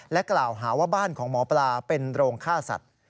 กล่าวหาว่าบ้านของหมอปลาเป็นโรงฆ่าสัตว์